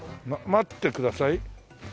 待ってください。